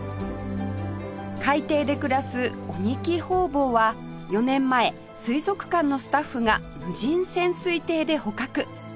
海底で暮らすオニキホウボウは４年前水族館のスタッフが無人潜水艇で捕獲